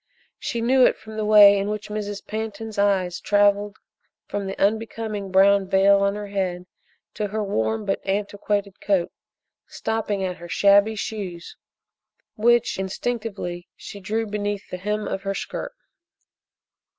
She knew it from the way in which Mrs. Pantin's eyes travelled from the unbecoming brown veil on her head to her warm but antiquated coat, stopping at her shabby shoes which, instinctively, she drew beneath the hem of her skirt.